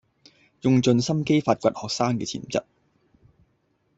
用盡心機發掘學生既潛質